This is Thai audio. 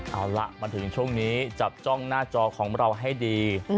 เอาล่ะมาถึงช่วงนี้จับจ้องหน้าจอของเราให้ดี